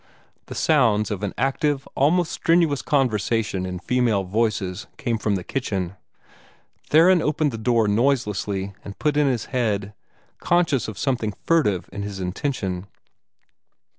The sounds of an active, almost strenuous conversation in female voices came from the kitchen. Theron opened the door noiselessly, and put in his head, conscious of something furtive in his intention.